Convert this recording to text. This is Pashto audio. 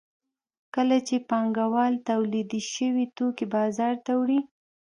کله چې پانګوال تولید شوي توکي بازار ته وړي